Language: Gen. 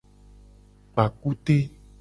Kpa kute.